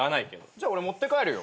じゃあ俺持って帰るよ。